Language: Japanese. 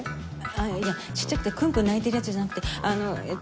いやちっちゃくてクンクン鳴いてるやつじゃなくてあのえっと